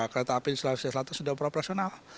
kereta api di sulawesi selatan sudah beroperasional